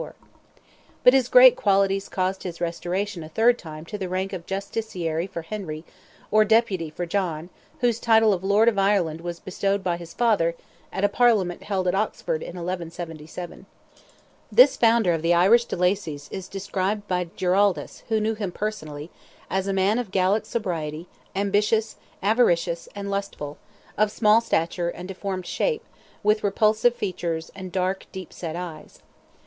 But his great qualities caused his restoration a third time to the rank of Justiciary for Henry, or Deputy for John, whose title of "Lord of Ireland" was bestowed by his father, at a Parliament held at Oxford, in 1177. This founder of the Irish de Lacys is described by Giraldus, who knew him personally, as a man of Gallic sobriety, ambitious, avaricious, and lustful, of small stature, and deformed shape, with repulsive features, and dark, deep set eyes.